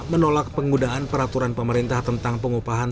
menolak penggunaan peraturan pemerintah tentang pengupahan